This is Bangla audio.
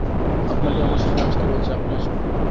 আপনাকে আমার সঙ্গে আসতে বলছি-আপনি আসুন।